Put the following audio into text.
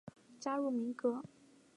加入民革。